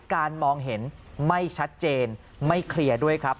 มองเห็นไม่ชัดเจนไม่เคลียร์ด้วยครับ